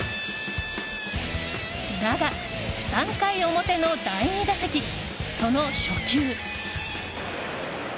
だが、３回表の第２打席その初球。